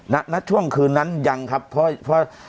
ณช่วงคืนนั้นยังครับเพราะ